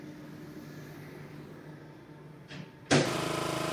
Herec Tim Russ si zahrál ještě dvě další role ve Star Treku.